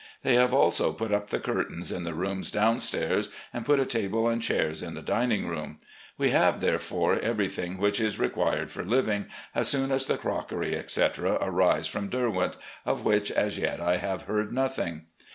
They have also put up the curtains in the rooms downstairs, and put a table and chairs in the dining room. We have, therefore, everything which is required for living, as soon as the crockery, etc., arrives from 'Derwent,' of which as yet I have heard nothing.